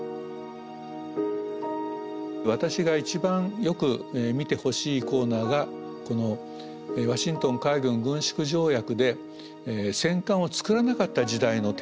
私が一番よく見てほしいコーナーがこのワシントン海軍軍縮条約で戦艦を造らなかった時代の展示です。